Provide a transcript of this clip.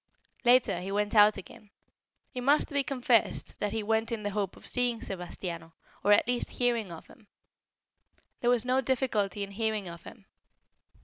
Later he went out again. It must be confessed that he went in the hope of seeing Sebastiano, or at least hearing of him. There was no difficulty in hearing of him.